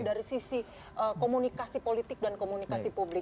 dari sisi komunikasi politik dan komunikasi publik